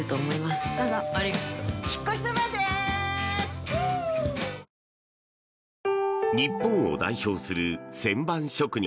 ぷはーっ日本を代表する旋盤職人